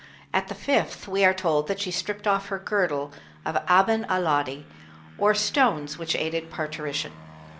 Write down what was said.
At the fifth, we are told that she stripped off her girdle of aban alâdi, or stones which aided parturition.